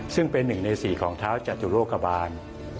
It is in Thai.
ซึ่งเป็น๑ใน๔ของเท้าจตุโรคบาล